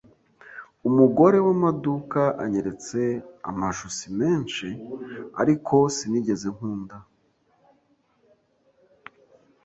Umugore wamaduka anyeretse amajosi menshi, ariko sinigeze nkunda.